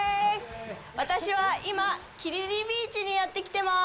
私は今、キリリビーチにやってきてまーす。